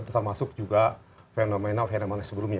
termasuk juga fenomena fenomena sebelumnya